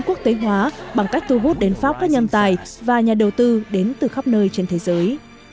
quốc tế hóa bằng cách thu hút đến pháp các nhân tài và nhà đầu tư đến từ khắp nơi trên thế giới